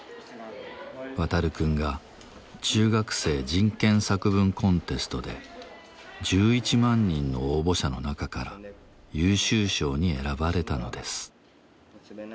ワタル君が中学生人権作文コンテストで１１万人の応募者の中から優秀賞に選ばれたのです。